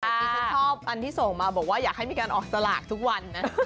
ที่ฉันชอบอันที่ส่งมาบอกว่าอยากให้มีการออกสลากทุกวันนะ